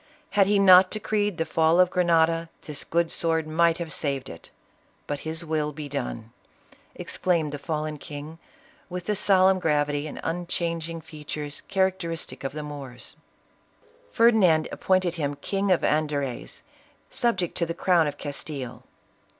Had he not decreed the fall of Grenada this good sword might have saved it; but his will be done 1" exclaimed the fallen king, with the solemn gravity and unchanging features characteristic of the Moors. Ferdinand appointed him king of Andaraz, subject to the crown of Castile.